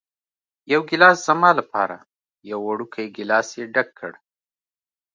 یو ګېلاس زما لپاره، یو وړوکی ګېلاس یې ډک کړ.